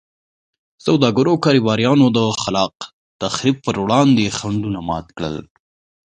سوداګرو او کاروباریانو د خلاق تخریب پر وړاندې خنډونه مات کړل.